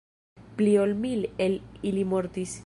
Pli ol mil el ili mortis.